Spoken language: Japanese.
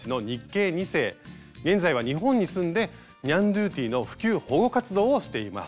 現在は日本に住んでニャンドゥティの普及保護活動をしています。